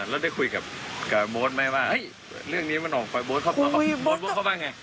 แล้วได้คุยกับโบ๊ทไหมว่าเฮ้ยเรื่องนี้มันออกไปโบ๊ทเข้าไปไง